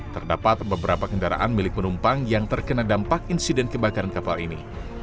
terdapat beberapa kendaraan milik penumpang yang terkena dampak insiden kebakaran kapal ini